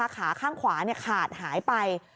ขาข้างขวาขาดหายไป